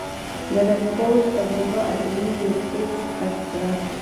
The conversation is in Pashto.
د ردرفورډ تجربه اټومي نیوکلیس کشف کړ.